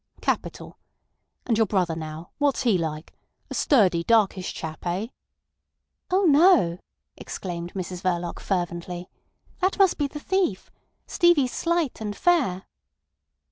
Capital. And your brother now, what's he like—a sturdy, darkish chap—eh?" "Oh no," exclaimed Mrs Verloc fervently. "That must be the thief. Stevie's slight and fair."